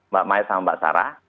mbak maya sama mbak sarah